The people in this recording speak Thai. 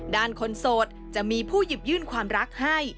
คนโสดจะมีผู้หยิบยื่นความรักให้